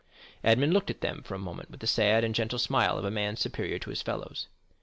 Edmond looked at them for a moment with the sad and gentle smile of a man superior to his fellows.